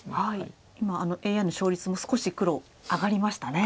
今ＡＩの勝率も少し黒上がりましたね。